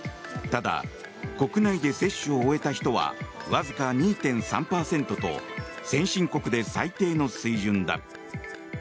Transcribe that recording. ただ、国内で接種を終えた人はわずか２．３％と先進国で最低の水準だ。